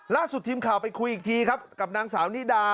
ล่าสุดทีมข่าวไปคุยอีกทีครับกับนางสาวนิดา